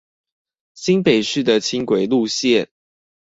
新北市的輕軌路線